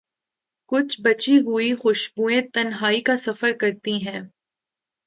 کچھ بچی ہوئی خوشبویں تنہائی کا سفر کرتی ہیں۔